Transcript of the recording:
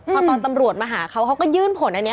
พอตอนตำรวจมาหาเขาเขาก็ยื่นผลอันนี้